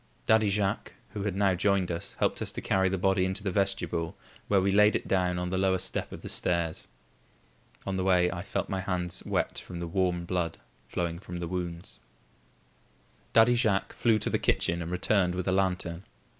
Daddy Jacques, who had now joined us, helped us to carry the body into the vestibule, where we laid it down on the lower step of the stairs. On the way, I had felt my hands wet from the warm blood flowing from the wounds. Daddy Jacques flew to the kitchen and returned with a lantern.